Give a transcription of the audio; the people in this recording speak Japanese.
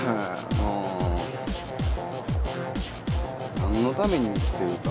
なあ。何のために生きてるか。